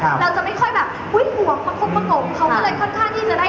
เราหล่อคุณใหญ่สูงบ้าน